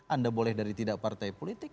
anda boleh dari tidak partai politik